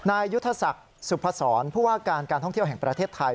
ยุทธศักดิ์สุพศรผู้ว่าการการท่องเที่ยวแห่งประเทศไทย